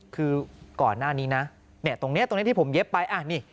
คือก่อนหน้านี้นะตรงนี้ที่ผมเย็บไป